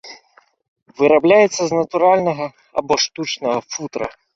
Вырабляецца з натуральнага або штучнага футра.